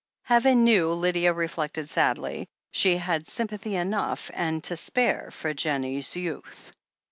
Heaven knew, Lydia reflected sadly, she had sym pathy enough, and to spare, for Jennie's youth.